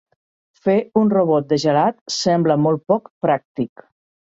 Fer un robot de gelat sembla molt poc pràctic.